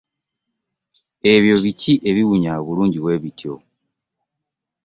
Ebyo biki ebiwunya obulungi bwe bityo.